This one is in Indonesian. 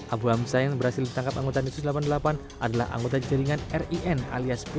abu hamzah yang berhasil ditangkap anggota desun delapan puluh delapan adalah anggota jaringan rin alias